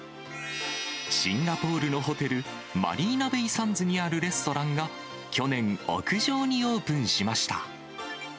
シンガポールのホテル、マリーナベイ・サンズにあるレストランが、去年、屋上にオープンしました。